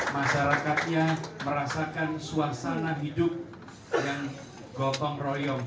masyarakatnya merasakan suasana hidup yang gotong royong